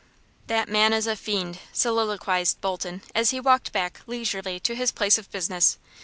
"That man is a fiend!" soliloquized Bolton, as he walked back, leisurely, to his place of business.